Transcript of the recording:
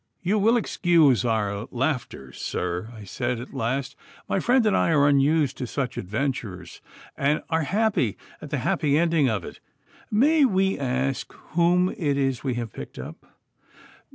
'You will excuse our laughter, sir,' I said at last; 'my friend and I are unused to such adventures, and are merry at the happy ending of it. May we ask whom it is that we have picked up?